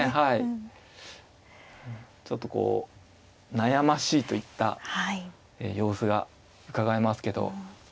ちょっとこう悩ましいといった様子がうかがえますけど。